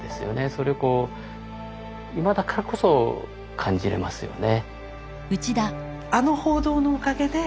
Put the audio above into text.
それをこう今だからこそ感じれますよね。